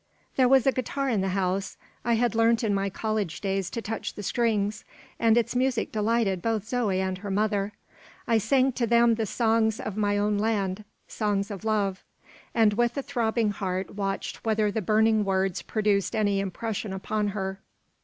There was a guitar in the house. I had learnt in my college days to touch the strings, and its music delighted both Zoe and her mother. I sang to them the songs of my own land songs of love; and with a throbbing heart watched whether the burning words produced any impression upon her.